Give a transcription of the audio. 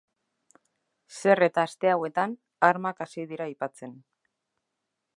Zer eta aste hauetan, armak hasi dira aipatzen.